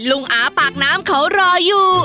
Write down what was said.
อาปากน้ำเขารออยู่